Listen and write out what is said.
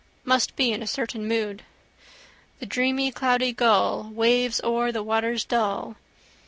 Must be in a certain mood. The dreamy cloudy gull Waves o'er the waters dull.